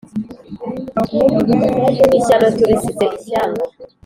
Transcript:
Ishyano turisize ishyanga